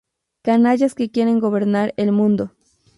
Canallas que quieren gobernar el mundo.